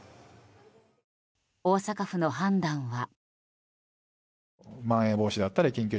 大阪府の判断は。